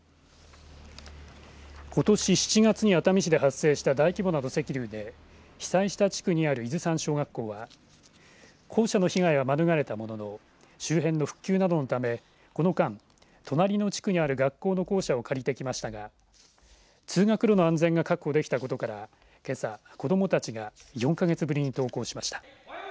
ことし７月に熱海市で発生した大規模な土石流で被災した地区にある伊豆山小学校は校舎の被害は免れたものの周辺の復旧などのため、この間隣の地区にある学校の校舎を借りてきましたが通学路の安全が確保できたことからけさ、子どもたちが４か月ぶりに登校しました。